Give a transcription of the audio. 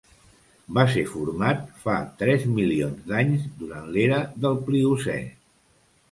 Va ser format fa tres milions d'anys durant l'era del Pliocè.